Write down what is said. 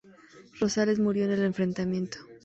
Rosales murió en el enfrentamiento.